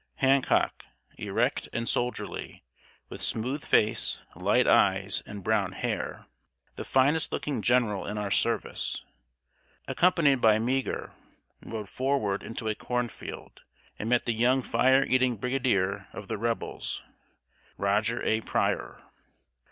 Hancock erect and soldierly, with smooth face, light eyes, and brown hair, the finest looking general in our service accompanied by Meagher, rode forward into a corn field, and met the young fire eating brigadier of the Rebels, Roger A. Pryor.